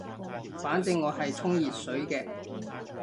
反正我係沖熱水嘅